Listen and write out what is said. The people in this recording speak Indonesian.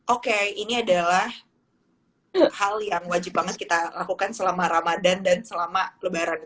oke ini adalah hal yang wajib banget kita lakukan selama ramadan dan selama lebaran